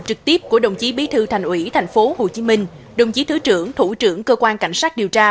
trực tiếp của đồng chí bí thư thành ủy tp hcm đồng chí thứ trưởng thủ trưởng cơ quan cảnh sát điều tra